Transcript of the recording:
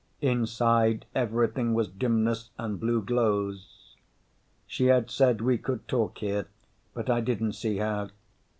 Inside, everything was dimness and blue glows. She had said we could talk here, but I didn't see how.